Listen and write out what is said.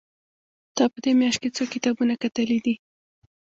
تا په دې مياشت کې څو کتابونه کتلي دي؟